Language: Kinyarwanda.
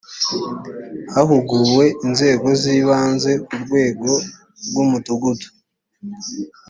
hahuguwe inzego z ibanze ku rwego rw umudugudu